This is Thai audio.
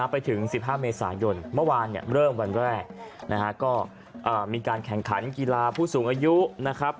ไปถึง๑๕เมษายนเมื่อวานเริ่มวันแรกนะฮะก็มีการแข่งขันกีฬาผู้สูงอายุนะครับ